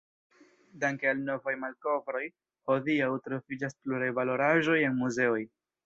Danke al novaj malkovroj, hodiaŭ troviĝas pluraj valoraĵoj en muzeoj.